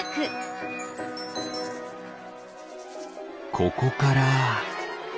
ここから。